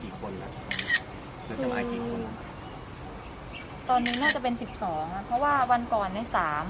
น่าจะมากี่คนตอนนี้น่าจะเป็นสิบสองอ่ะเพราะว่าวันก่อนในสาม